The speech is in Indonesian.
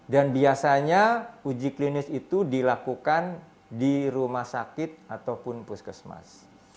dan biasanya uji klinis itu dilakukan di rumah sakit ataupun puskesmas